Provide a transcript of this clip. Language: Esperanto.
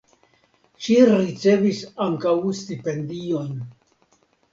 Ŝi ricevis ankaŭ stipendiojn.